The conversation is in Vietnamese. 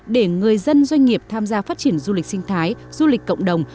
để người dân doanh nghiệp tham gia phát triển du lịch sinh thái du lịch cộng đồng